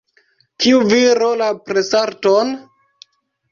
Kiu viro la presarton?